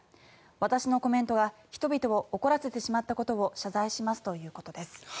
私のコメントが人々を怒らせてしまったことを謝罪しますということです。